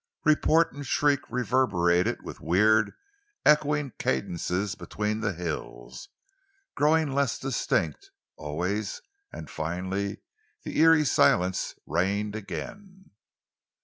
Report and shriek reverberated with weird, echoing cadences between the hills, growing less distinct always and finally the eery silence reigned again.